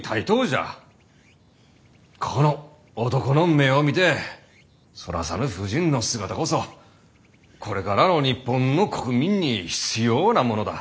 この男の目を見てそらさぬ婦人の姿こそこれからの日本の国民に必要なものだ。